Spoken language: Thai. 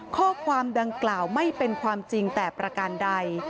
ข้อความดังกล่าวไม่เป็นความจริงแต่ประการใด